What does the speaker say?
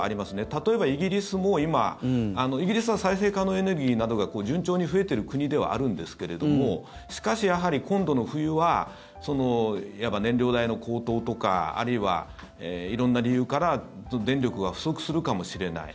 例えばイギリスも今イギリスは再生可能エネルギーなどが順調に増えてる国ではあるんですけれどもしかし、やはり今度の冬はいわば燃料代の高騰とかあるいは色んな理由から電力が不足するかもしれない。